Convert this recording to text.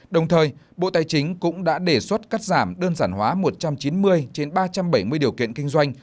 đồng thời bộ tài chính cũng đã đề xuất cắt giảm đơn giản hóa một trăm chín mươi trên ba trăm bảy mươi điều kiện kinh doanh